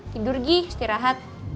tidur gi setirahat